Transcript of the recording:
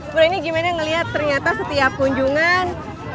bu ini gimana ngelihat ternyata setiap kunjungan